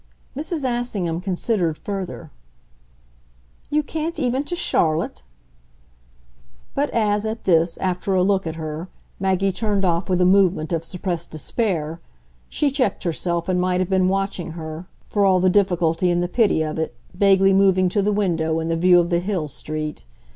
Mrs. Assingham considered further. "You can't even to Charlotte?" But as, at this, after a look at her, Maggie turned off with a movement of suppressed despair, she checked herself and might have been watching her, for all the difficulty and the pity of it, vaguely moving to the window and the view of the hill street.